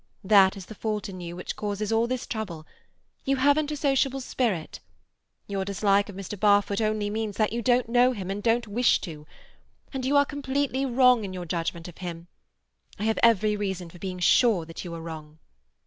That is the fault in you which causes all this trouble. You haven't a sociable spirit. Your dislike of Mr. Barfoot only means that you don't know him, and don't wish to. And you are completely wrong in your judgment of him. I have every reason for being sure that you are wrong."